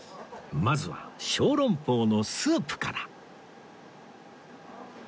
まずは小籠包のスープから